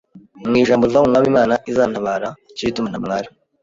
mu ijambo rivuga ngo ubwo umwami Imana izantabara nicyo gituma ntamwara